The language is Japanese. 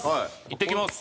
いってきます。